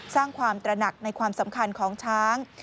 สร้างความตระหนักในความสำคัญของช้าง